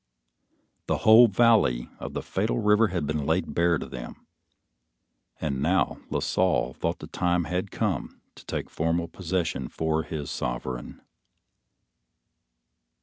The whole valley of the Fatal River had been laid bare to them, and now La Salle thought the time had come to take formal possession for his sovereign.